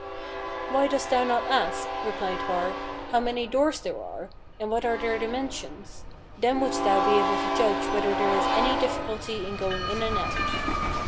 "Why dost thou not ask," replied Har, "how many doors there are, and what are their dimensions; then wouldst thou be able to judge whether there is any difficulty in going in and out.